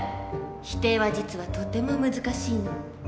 否定は実はとても難しいの。